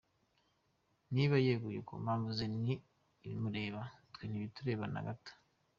Niba yeguye ku mpamvu ze ni ibimureba, twe ntibitureba na gato.